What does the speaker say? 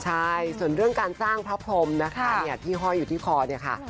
ใช่ส่วนเรื่องการสร้างพระพรมนะคะที่ห้อยอยู่ที่คอเนี่ยค่ะ